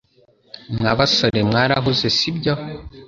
Mwa basore mwarahuze sibyo